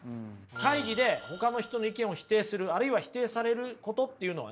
会議でほかの人の意見を否定するあるいは否定されることっていうのはね